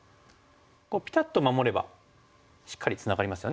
こうピタッと守ればしっかりツナがりますよね。